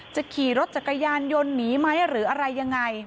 จะขี่รถจักรยานยนต์หนีไหมหรืออะไรยังไง